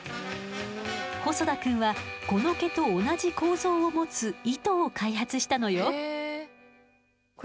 細田くんはこの毛と同じ構造を持つ糸を開発したのよ。